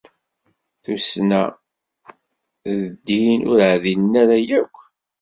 Tussna d ddin ur ɛdilen ara akk!